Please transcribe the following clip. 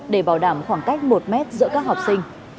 để bảo đảm khoảng cách một mét giữa các học sinh